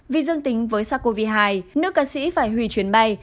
vì dương tính với sars cov hai nước ca sĩ phải hủy chuyến bay